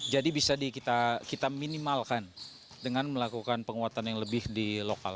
jadi bisa kita minimalkan dengan melakukan penguatan yang lebih di lokal